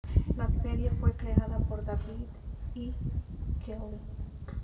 La serie fue creada por David E. Kelley.